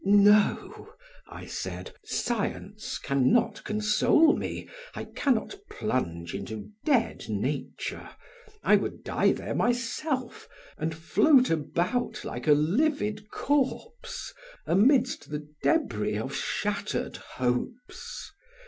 "No," I said, "science can not console me; I can not plunge into dead nature, I would die there myself and float about like a livid corpse amidst the debris of shattered hopes.